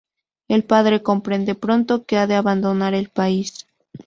El padre comprende pronto que ha de abandonar el país.